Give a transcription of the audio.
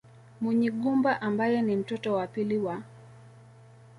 Munyigumba ambaye ni mtoto wa pili wa